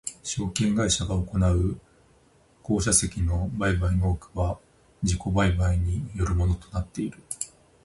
証券会社が行う公社債の売買の多くは自己売買によるものとなっている。